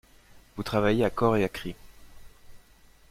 Vous travaillez à corps et à cris.